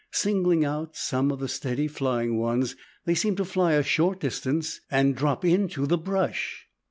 Singling out some of the steady flying ones, they seemed to fly a short distance, and drop into the brush.